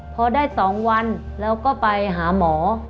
พอได้๒วันเราก็ไปหาหมอ